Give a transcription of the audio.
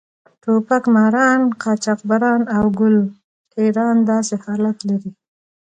ټوپک ماران، قاچاقبران او ګل ټېران داسې حالت لري.